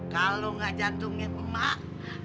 kalau gak jantungin mak